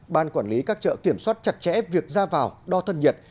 ban quản lý các chợ kiểm soát chặt chẽ việc ra vào đo thân nhiệt